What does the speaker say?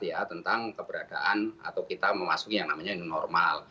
ya tentang keberadaan atau kita memasuki yang namanya new normal